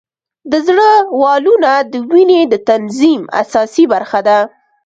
د زړه والونه د وینې د تنظیم اساسي برخه ده.